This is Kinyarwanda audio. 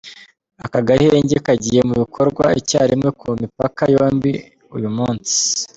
Aka gahenge kagiye mu bikorwa icyarimwe ku mipaka yombi uyu munsi.